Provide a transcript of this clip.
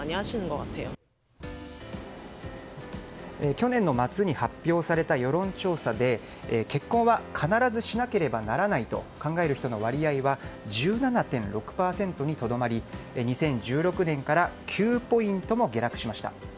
去年の末に発表された世論調査で結婚は必ずしなければならないと考える人の割合は１７．６％にとどまり２０１６年から９ポイントも下落しました。